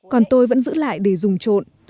còn tôi vẫn giữ lại để dùng trộn